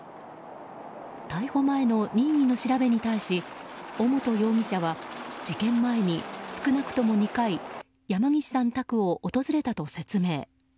逮捕前の任意の調べに対し尾本容疑者は事件前に少なくとも２回山岸さん宅を訪れたと説明。